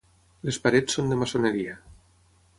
Les parets són de maçoneria.